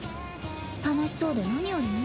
楽しそうで何よりね。